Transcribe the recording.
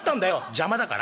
「邪魔だから？」。